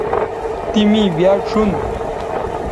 تی می بیاد شون